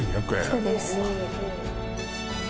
そうです